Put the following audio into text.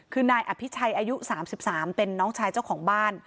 คือนายอภิชัยอายุ๓๓เป็นน้องชายเจ้าของบ้าน